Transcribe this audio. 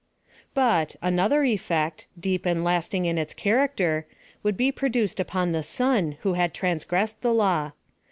But, another effect, deep and lasting in its char acter, would be produced upon the son who had transgressed the law.